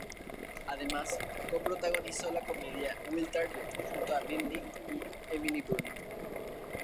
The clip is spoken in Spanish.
Además coprotagonizó la comedia "Wild Target", junto a Bill Nighy y Emily Blunt.